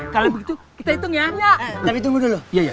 kalau begitu kita hitung ya tapi tunggu dulu